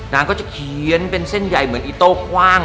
นางก็จะเขียนเป็นเส้นใหญ่เหมือนอีโต้กว้าง